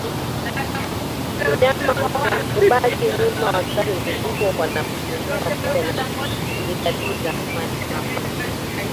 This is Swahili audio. Mnyama kubaki nyuma wakati mifugo wanapotembea pamoja ni dalili ya homa ya mapafu